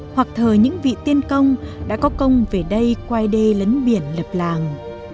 hoặc thờ những vị tiên công đã có công về đây quay đê lấn biển lập làng